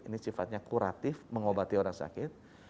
ini sifatnya kuratif mengobati orang sakit